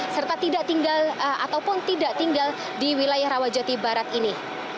serta tidak tinggal ataupun tidak tinggal di wilayah rawajati barat ini